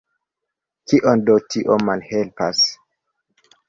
Kion do tio malhelpas?